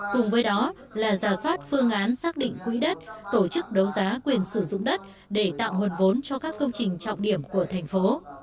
cùng với đó là giả soát phương án xác định quỹ đất tổ chức đấu giá quyền sử dụng đất để tạo nguồn vốn cho các công trình trọng điểm của thành phố